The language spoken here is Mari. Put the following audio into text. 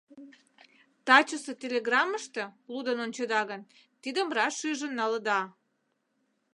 Тачысе телеграммыште, лудын ончеда гын, тидым раш шижын налыда.